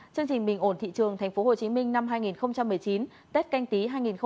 chương trình bình ổn thị trường tp hcm năm hai nghìn một mươi chín tết canh tí hai nghìn hai mươi